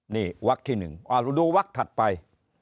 นี่วักที่๑ดูวักถัดไป